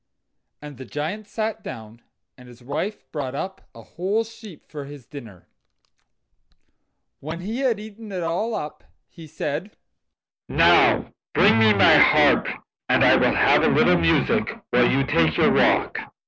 And the Giant sat down, and his wife brought up a whole sheep for his dinner. When he had eaten it all up, he said: "Now bring me my harp, and I will have a little music while you take your walk."